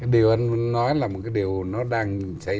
điều anh nói là một cái điều nó đang xảy ra